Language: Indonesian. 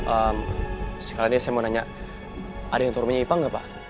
eh sekarang saya mau nanya ada yang tau rumahnya ipang enggak pak